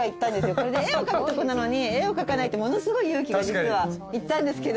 絵を描くとこなのに絵を描かないってものすごい勇気が実はいったんですけど。